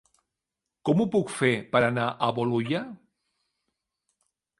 Com ho puc fer per anar a Bolulla?